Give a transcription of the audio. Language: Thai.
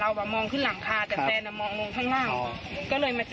ใช่ค่ะก็คือน้องก็ออกไม่ได้ก็เลยต้องตามคนมาช่วย